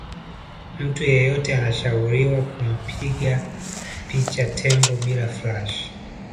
mtu yeyote anashauriwa kumpiga picha tembo bila flash